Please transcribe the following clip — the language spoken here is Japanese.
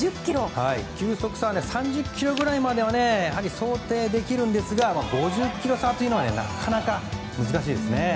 球速差３０キロぐらいまでは想定できるんですが５０キロ差というのはなかなか難しいですね。